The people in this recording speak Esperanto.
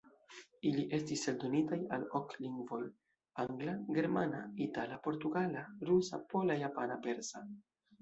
Ili estis eldonitaj al ok lingvoj: Angla, Germana, Itala, Portugala, Rusa, Pola, Japana, Persa.